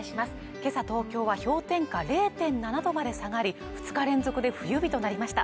今朝東京は氷点下０．７度まで下がり２日連続で冬日となりました